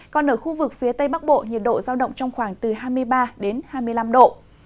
còn ở khu vực phía tây bắc bộ nhiệt độ giao động trong khoảng từ hai mươi ba đến hai mươi năm độ